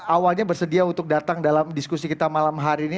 awalnya bersedia untuk datang dalam diskusi kita malam hari ini